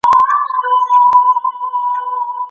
معلم صاحب وویل چې کار کول د هر انسان د وقار نښه ده.